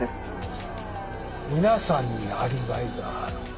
皆さんにアリバイがある。